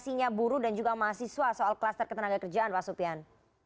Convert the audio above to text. isinya buru dan juga mahasiswa soal kluster ketenaga kerjaan pak supian